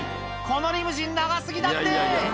このリムジン、長すぎだって。